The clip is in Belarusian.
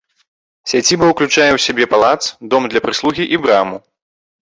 Сядзіба ўключае ў сябе палац, дом для прыслугі і браму.